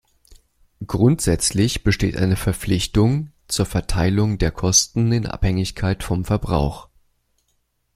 Grundsätzlich besteht eine Verpflichtung zur Verteilung der Kosten in Abhängigkeit vom Verbrauch.